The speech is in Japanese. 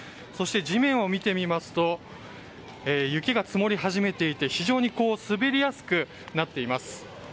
そして地面を見てみますと雪が積もり始めていて非常に滑りやすくなっています。